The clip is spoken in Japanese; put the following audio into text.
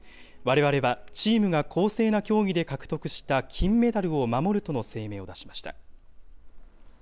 われわれはチームが公正な競技で獲得した金メダルを守るとの声明